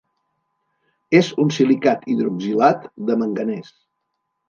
És un silicat hidroxilat de manganès.